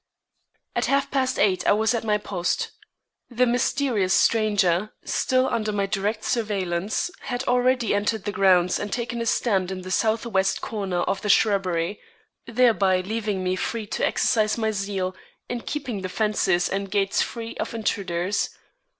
At half past eight I was at my post. The mysterious stranger, still under my direct surveillance, had already entered the grounds and taken his stand in the southwest corner of the shrubbery, thereby leaving me free to exercise my zeal in keeping the fences and gates free of intruders.